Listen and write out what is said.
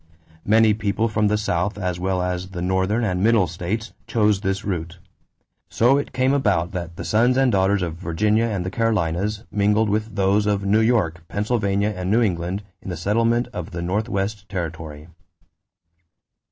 Many people from the South as well as the Northern and Middle states chose this route; so it came about that the sons and daughters of Virginia and the Carolinas mingled with those of New York, Pennsylvania, and New England in the settlement of the Northwest territory.